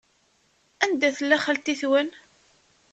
Anda tella xalti-twen?